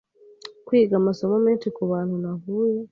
Kwiga amasomo menshi kubantu nahuye